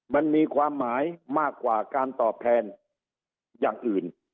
มันมีความหมายมากกว่าการตอบแทนอย่างอื่น